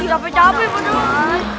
udah capek capek bener